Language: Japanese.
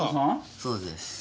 そうです。